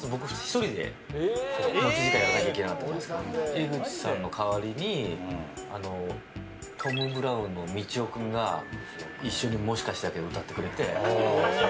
江口さんの代わりにトム・ブラウンみちお君が一緒に「もしかしてだけど」歌ってくれて。